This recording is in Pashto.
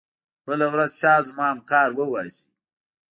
بله ورځ چا زما همکار وواژه.